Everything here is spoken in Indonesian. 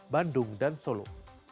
bandung dan solo